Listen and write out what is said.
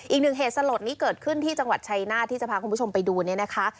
อีกหนึ่งเหตุสลดนี้เกิดขึ้นที่จังหวัดชัยหน้าที่จะพาคุณผู้ชมไปดูเนี่ยนะคะ